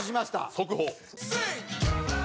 速報。